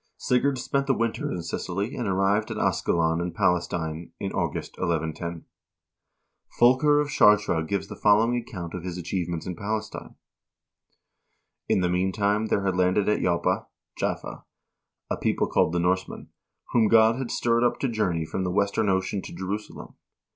'" Sigurd spent the winter in Sicily and arrived at Ascalon in Pales tine in August, 1110.1 Fulker of Chartres gives the following ac count of his achievements in Palestine : 2 "In the meantime there had landed at Joppa (Jaffa) a people called the Norsemen, whom God had stirred up to journey from the western ocean to Jerusalem.